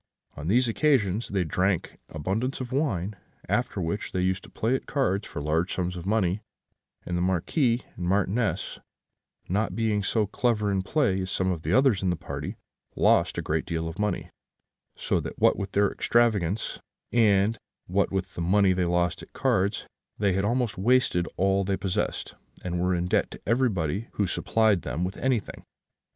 On these occasions they drank abundance of wine; after which they used to play at cards for large sums of money; and the Marquis and Marchioness not being so clever in play as some others of the party, lost a great deal of money; so that what with their extravagance, and what with the money they lost at cards, they had almost wasted all they possessed, and were in debt to everybody who supplied them with anything.